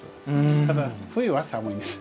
ただ冬は寒いんです。